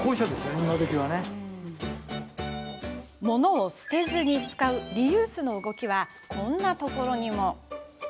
ものを捨てずに使うリユースの動きはこんなところにも。